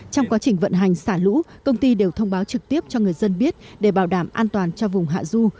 trong quá trình vận hành xả lũ công ty đều thông báo trực tiếp cho người dân biết để bảo đảm an toàn cho vùng hạ du